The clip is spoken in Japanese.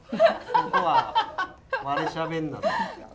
ここは我しゃべんなと。